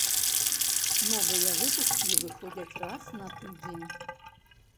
Новыя выпускі выходзяць раз на тыдзень.